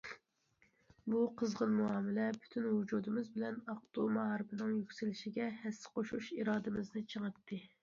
بۇ قىزغىن مۇئامىلە پۈتۈن ۋۇجۇدىمىز بىلەن ئاقتۇ مائارىپىنىڭ يۈكسىلىشىگە ھەسسە قوشۇش ئىرادىمىزنى چىڭىتتى.